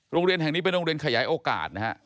โรงเรียนแห่งนี้เป็นโรงเรียนขยายโอกาสนะฮะ